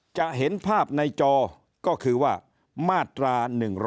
จะเห็นภาพในจอก็คือว่ามาตรา๑๑๒